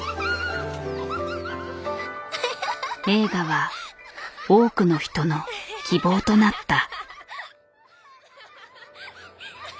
映画は多くの人の希望となった。